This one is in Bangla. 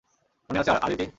মনে আছে, আদিতি?